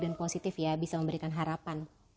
dan positif ya bisa memberikan harapan